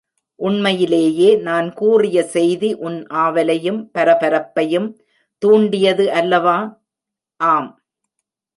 உண்மையிலேயே நான் கூறிய செய்தி உன் ஆவலையும் பரபரப்பையும் தூண்டியது அல்லவா? ஆம்!